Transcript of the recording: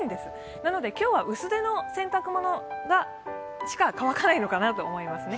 なので今日は薄手の洗濯物しか乾かないのかなと思いますね。